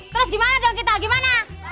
terus gimana dong kita gimana